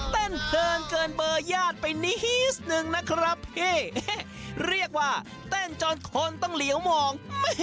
เพลินเกินเบอร์ญาติไปนิดนึงนะครับพี่เรียกว่าเต้นจนคนต้องเหลียวมอง